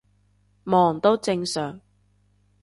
忙都正常